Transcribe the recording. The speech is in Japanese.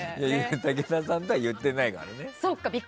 武田さんとは言ってないからね。